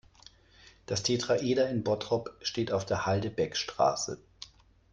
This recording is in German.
Das Tetraeder in Bottrop steht auf der Halde Beckstraße.